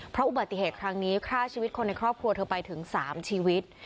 เพราะอุบัติเหตุครั้งนี้ฆ่าชีวิตคนในครอบครัวเธอไปถึง๓ชีวิต